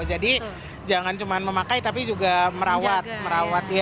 jadi jangan cuma memakai tapi juga merawat